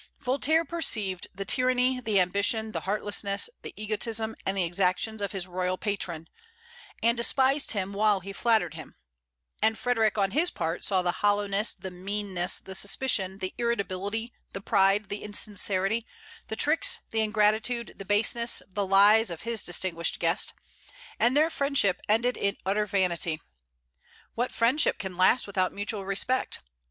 Voltaire perceived the tyranny, the ambition, the heartlessness, the egotism, and the exactions of his royal patron, and despised him while he flattered him; and Frederic on his part saw the hollowness, the meanness, the suspicion, the irritability, the pride, the insincerity, the tricks, the ingratitude, the baseness, the lies of his distinguished guest, and their friendship ended in utter vanity. What friendship can last without mutual respect?